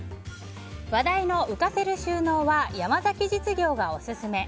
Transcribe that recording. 話題の浮かせる収納は山崎実業がオススメ。